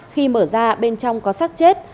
khi mở ra bên trong có sắc chết